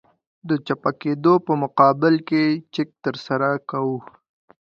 د چپه کېدو په مقابل کې چک ترسره کوو